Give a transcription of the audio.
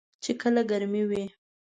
چې کله ګرمې وي .